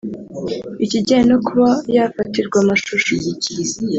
Ikijyanye no kuba yafatirwa amashusho